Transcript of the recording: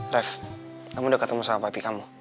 ref kamu udah ketemu sama pipi kamu